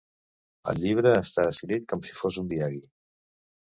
El llibre està escrit com si fos un diari.